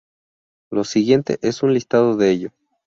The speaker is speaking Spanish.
Lo siguiente es un listado de ello.